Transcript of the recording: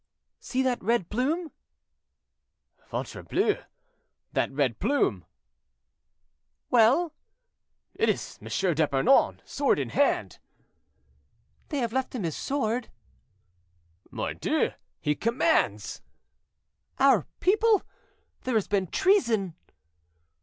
"See that red plume." "Ventrebleu! that red plume—" "Well?" "It is M. d'Epernon, sword in hand." "They have left him his sword." "Mordieu! he commands." "Our people! There has been treason."